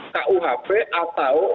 kuhb atau ite